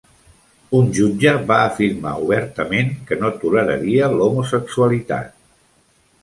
Un jutge va afirmar obertament que "no toleraria l'homosexualitat".